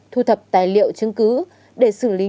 thu thập tài liệu chứng cứ để xử lý